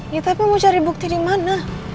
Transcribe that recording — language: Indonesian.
ya tapi mau cari bukti di mana